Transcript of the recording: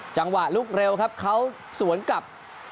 จังหวะลุกเร็วครับเขาสวนกลับ